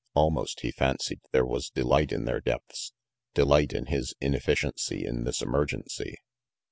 Almost, he fancied, there was delight in their depths, delight in his inefficiency in this emergency.